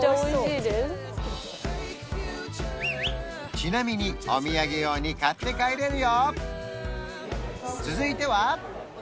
ちなみにお土産用に買って帰れるよ！